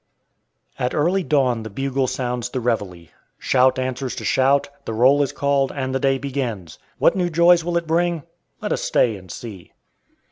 At early dawn the bugle sounds the reveille. Shout answers to shout, the roll is called and the day begins. What new joys will it bring? Let us stay and see.